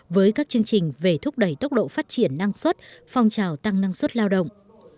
với các chương trình về thúc đẩy tốc độ phát triển năng suất phong trào tăng năng suất lao động